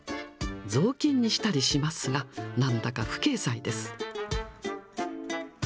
雑巾にしたりしますが、なんだか不経済です。